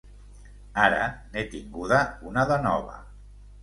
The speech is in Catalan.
Ara n'he tinguda una de nova.